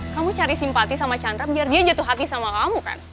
kamu cari simpati sama chandra biar dia jatuh hati sama kamu kan